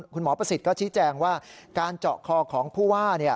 ประสิทธิ์ก็ชี้แจงว่าการเจาะคอของผู้ว่า